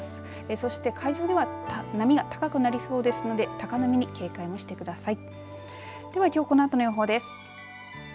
そして海上では波が高くなりそうですので高波に警戒もしてください。